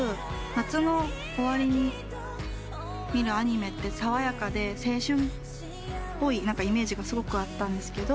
夏の終わりに見るアニメって爽やかで青春っぽいイメージがすごくあったんですが。